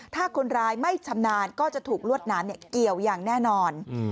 ถ้าคนร้ายไม่ชำนาญก็จะถูกลวดน้ำเกี่ยวอย่างแน่นอน